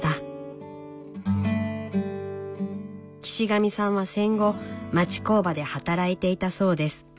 岸上さんは戦後町工場で働いていたそうです。